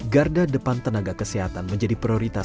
garda depan tenaga kesehatan menjadi prioritas